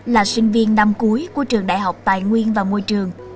là sinh viên năm cuối của trường đại học tài nguyên và môi trường